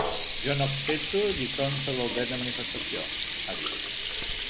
Jo no accepto lliçons sobre el dret de manifestació, ha dit.